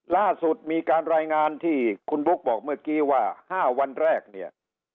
ล่าสุดมีการรายงานที่คุณบุ๊คบอกเมื่อกี้ว่า๕วันแรกเนี่ย